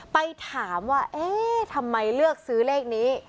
ไปถามว่าเอ๊ะทำไมเลือกซื้อเลขนี้